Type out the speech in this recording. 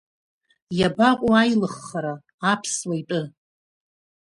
Иабаҟоу аилыххара, аԥсуа итәы?